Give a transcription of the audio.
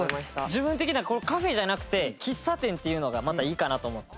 自分的にはカフェじゃなくて喫茶店っていうのがまたいいかなと思って。